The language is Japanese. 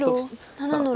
黒７の六。